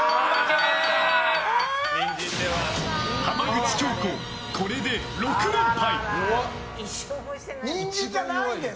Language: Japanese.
浜口京子、これで６連敗！